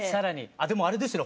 でもあれですよね